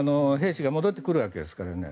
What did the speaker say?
兵士が戻ってくるわけですから。